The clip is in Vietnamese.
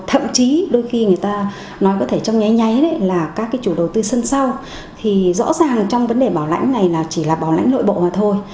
thậm chí đôi khi người ta nói có thể trong nháy nháy là các cái chủ đầu tư sân sau thì rõ ràng trong vấn đề bảo lãnh này là chỉ là bảo lãnh nội bộ mà thôi